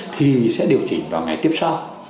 thì sẽ điều chỉnh vào ngày tiếp sau